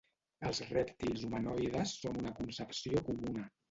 Els rèptils humanoides són una concepció comuna.